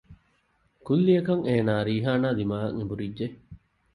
ކުއްލިއަކަށް އޭނާ ރީޙާނާ ދިމާއަށް އެނބުރިއްޖެ